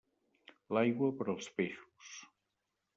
L'aigua, per als peixos.